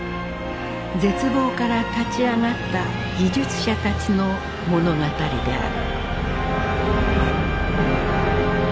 絶望から立ち上がった技術者たちの物語である。